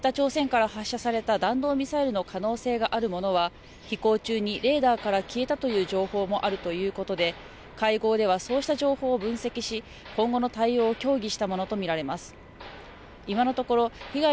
北朝鮮から発射された弾道ミサイルの可能性があるものは飛行中にレーダーから消えたという情報もあるということで会合ではそうした情報を分析し今後の対応を協議したものと見られます。